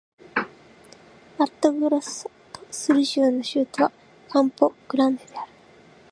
マットグロッソ・ド・スル州の州都はカンポ・グランデである